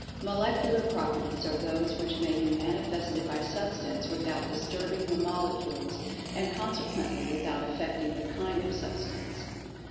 Molecular Properties are those which may be manifested by Substance without disturbing the Molecules, and consequently without affecting the "kind" of Substance.